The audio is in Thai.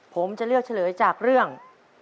ผมจะเลือกเฉลยจากเรื่อง